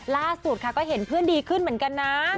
ล่าสุดค่ะก็เห็นเพื่อนดีขึ้นเหมือนกันนะ